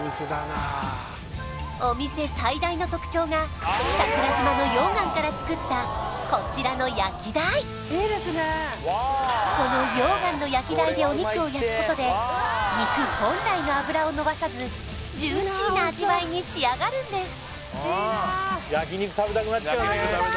お店最大の特徴が桜島の溶岩から作ったこちらの焼き台この溶岩の焼き台でお肉を焼くことで肉本来の脂を逃さずジューシーな味わいに仕上がるんです